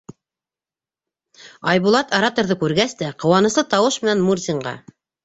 Айбулат, ораторҙы күргәс тә, ҡыуаныслы тауыш менән Мурзинға: